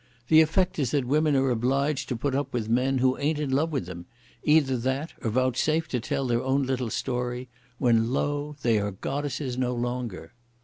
The effect is that women are obliged to put up with men who ain't in love with them, either that, or vouchsafe to tell their own little story, when, lo, they are goddesses no longer."